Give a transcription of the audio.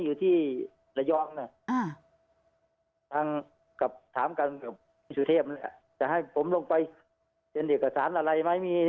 อยู่ที่ระยองนะทางกับถามกันกับพี่สุเทพจะให้ผมลงไปเซ็นเอกสารอะไรไหม